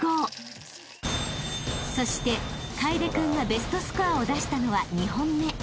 ［そして楓君がベストスコアを出したのは２本目］